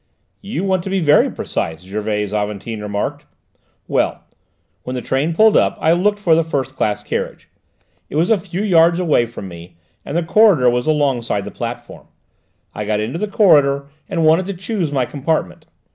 "You want to be very precise," Gervais Aventin remarked. "Well, when the train pulled up I looked for the first class carriage; it was a few yards away from me, and the corridor was alongside the platform. I got into the corridor and wanted to choose my compartment.